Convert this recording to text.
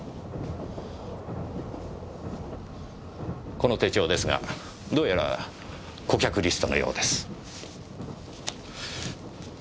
この手帳ですがどうやら顧客リストのようです。